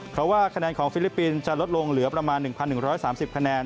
เพราะว่าคะแนนของฟิลิปปินส์จะลดลงเหลือประมาณ๑๑๓๐คะแนน